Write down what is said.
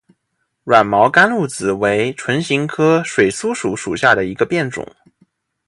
软毛甘露子为唇形科水苏属下的一个变种。